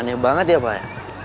aneh banget ya pak